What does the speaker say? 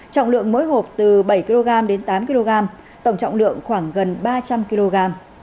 trọng lượng mỗi hộp từ bảy kg đến tám kg tổng trọng lượng khoảng gần ba trăm linh kg